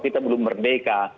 kita belum merdeka